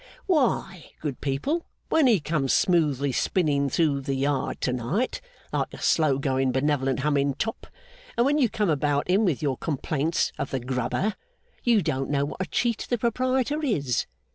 Why, good people, when he comes smoothly spinning through the Yard to night, like a slow going benevolent Humming Top, and when you come about him with your complaints of the Grubber, you don't know what a cheat the Proprietor is!